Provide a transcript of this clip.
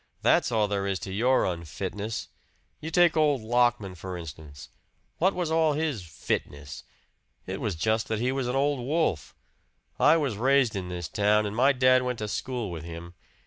That's all there is to your unfitness. You take old Lockman, for instance. What was all his 'fitness'? It was just that he was an old wolf. I was raised in this town, and my dad went to school with him.